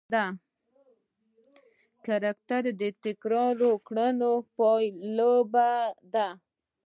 کرکټر د تکراري کړنو پایله ده.